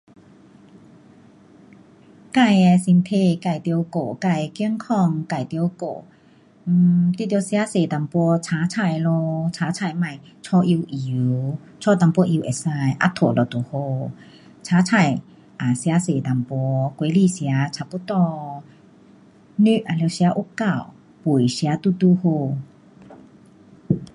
自己的身体自己要照顾自己的健康自己要照顾 um 你要吃多一点青菜青菜不要煮油油煮一点油就可以 um 烫就好青菜吃多一点水果吃差不多肉要吃得够饭吃刚刚好